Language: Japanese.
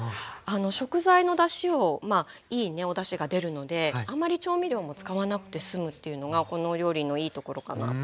食材のだしをまあいいねおだしが出るのであんまり調味料も使わなくて済むっていうのがこのお料理のいいところかなと。